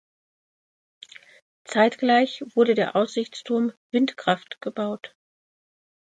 Zeitgleich wurde der Aussichtsturm "Windkraft" gebaut.